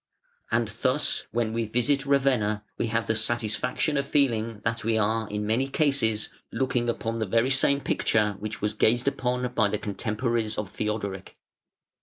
And thus, when we visit Ravenna, we have the satisfaction of feeling that we are (in many cases) looking upon the very same picture which was gazed upon by the contemporaries of Theodoric.